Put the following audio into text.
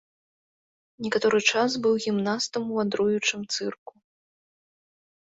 Некаторы час быў гімнастам ў вандруючым цырку.